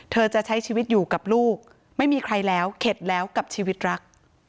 จะใช้ชีวิตอยู่กับลูกไม่มีใครแล้วเข็ดแล้วกับชีวิตรัก